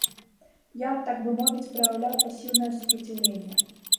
Я, так бы мовіць, праяўляў пасіўнае супраціўленне.